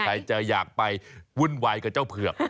ใครจะอยากไปวุ่นวายกับเจ้าเผือก